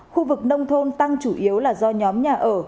khu vực nông thôn tăng chủ yếu là do nhóm nhà ở